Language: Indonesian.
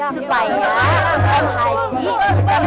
supaya om haji bisa menghadiri